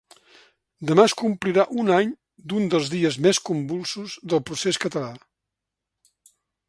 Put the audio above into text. Demà es complirà un any d’un dels dies més convulsos del procés català.